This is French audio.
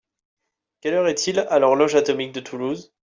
Quelle heure est-il à l'horloge atomique de Toulouse?